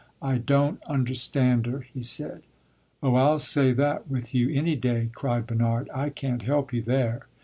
"I don't understand her," he said. "Oh, I 'll say that with you any day!" cried Bernard. "I can't help you there."